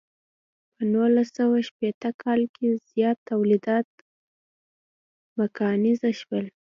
په نولس سوه شپیته کال کې زیات تولیدات میکانیزه شول.